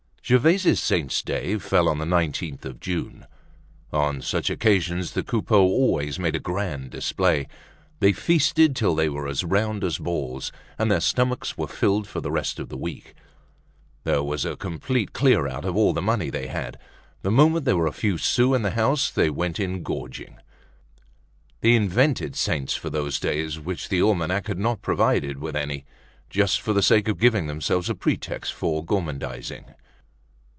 Gervaise's saint's day fell on the 19th of June. On such occasions, the Coupeaus always made a grand display; they feasted till they were as round as balls, and their stomachs were filled for the rest of the week. There was a complete clear out of all the money they had. The moment there were a few sous in the house they went in gorging. They invented saints for those days which the almanac had not provided with any, just for the sake of giving themselves a pretext for gormandizing.